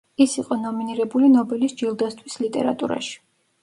ის იყო ნომინირებული ნობელის ჯილდოსთვის ლიტერატურაში.